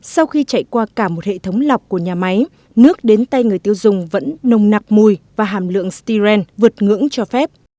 sau khi chạy qua cả một hệ thống lọc của nhà máy nước đến tay người tiêu dùng vẫn nồng nạc mùi và hàm lượng styren vượt ngưỡng cho phép